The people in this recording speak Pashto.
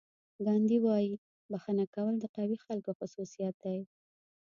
ګاندي وایي بښنه کول د قوي خلکو خصوصیت دی.